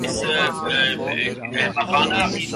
صرف پرانے پاکستان کو واپس لے آئیے۔